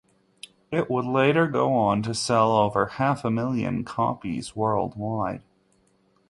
It would later go on to sell over half a million copies worldwide.